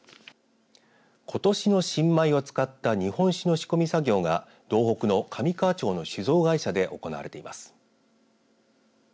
ことしの新米を使った日本酒の仕込み作業が道北の上川町の酒造会社で行われています。